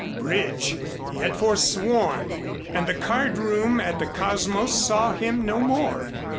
Bridge he had foresworn and the card room at the Cosmos saw him no more.